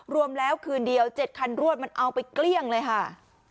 รวมแล้วคืนเดียว๗คันรวดมันเอาไปเกลี้ยงเลยค่ะ